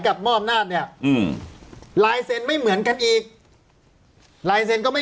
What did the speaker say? มอบอำนาจเนี่ยอืมลายเซ็นต์ไม่เหมือนกันอีกลายเซ็นก็ไม่